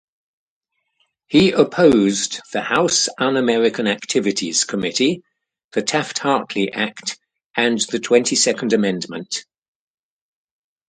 He opposed the House Un-American Activities Committee, the Taft-Hartley Act, and the Twenty-second Amendment.